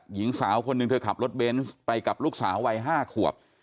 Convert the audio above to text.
หญิงสาวคนหนึ่งเธอขับรถเบนส์ไปกับลูกสาววัย๕ขวบ